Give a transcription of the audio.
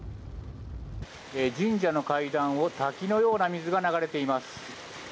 神社の階段を滝のような水が流れています。